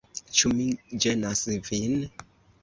Ĉu mi ĝenas vin?